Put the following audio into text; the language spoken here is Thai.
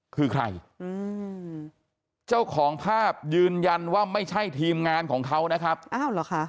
คือใครอืมเจ้าของภาพยืนยันว่าไม่ใช่ทีมงานของเขานะครับอ้าวเหรอคะ